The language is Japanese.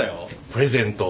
プレゼント